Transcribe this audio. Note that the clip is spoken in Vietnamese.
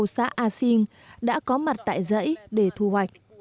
xã a sinh đã có mặt tại dãy để thu hoạch